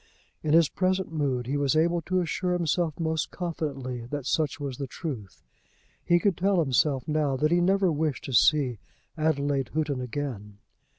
In his present mood he was able to assure himself most confidently that such was the truth. He could tell himself now that he never wished to see Adelaide Houghton again.